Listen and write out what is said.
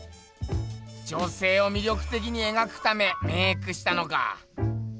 女せいを魅力的にえがくためメークしたのか。